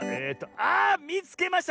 あみつけました！